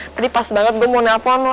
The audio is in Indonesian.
tadi pas banget gue mau telepon lo